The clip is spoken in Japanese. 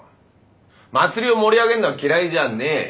祭りを盛り上げんのは嫌いじゃねえ。